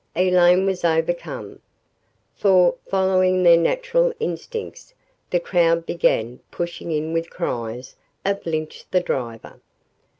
Elaine was overcome. For, following their natural instincts the crowd began pushing in with cries of "Lynch the driver!"